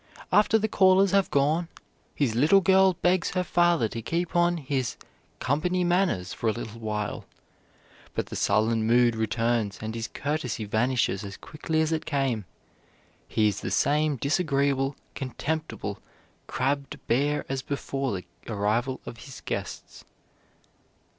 After the callers have gone, his little girl begs her father to keep on his "company manners" for a little while, but the sullen mood returns and his courtesy vanishes as quickly as it came. He is the same disagreeable, contemptible, crabbed bear as before the arrival of his guests.